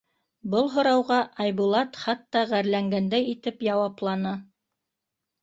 Был һорауға Айбулат хатта ғәрләнгәндәй итеп яуапланы.